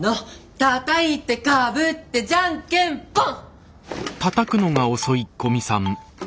たたいてかぶってじゃんけんぽん！